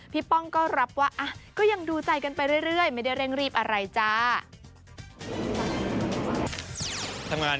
ป้องก็รับว่าก็ยังดูใจกันไปเรื่อยไม่ได้เร่งรีบอะไรจ้า